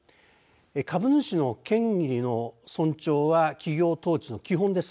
株主の権利の尊重は企業統治の基本です。